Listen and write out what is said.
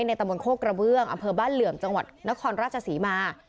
ตะบนโคกกระเบื้องอำเภอบ้านเหลื่อมจังหวัดนครราชศรีมา